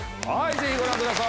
ぜひご覧ください。